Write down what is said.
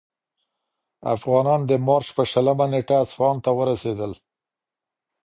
افغانان د مارچ په شلمه نېټه اصفهان ته ورسېدل.